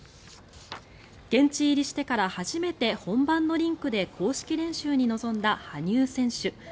現地入りしてから初めて本番のリンクで公式練習に臨んだ羽生選手。